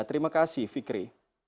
terima kasih fikri